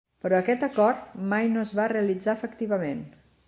Però aquest acord mai no es va realitzar efectivament.